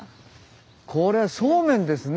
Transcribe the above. これはそうめんですね？